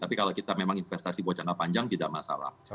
tapi kalau kita memang investasi buat jangka panjang tidak masalah